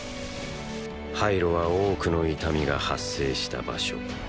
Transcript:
ハイロは多くの痛みが発生した場所。